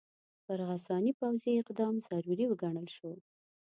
پر غساني پوځي اقدام ضروري وګڼل شو.